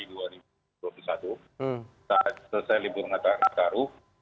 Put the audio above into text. saat selesai libur ngatar ngataru